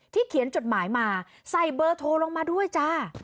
เขียนจดหมายมาใส่เบอร์โทรลงมาด้วยจ้า